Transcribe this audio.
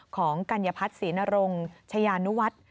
ของกัญญาพัฒน์ศรีนรงค์ชะยานุวัฒน์